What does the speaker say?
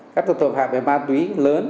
các tội phạm về ma túy lớn